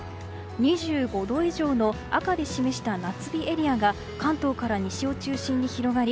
２５度以上の赤で示した夏日エリアが関東から西を中心に広がり